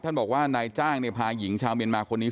ท่านบอกว่านายจ้างพาหญิงชาวเมียนมากคนนี้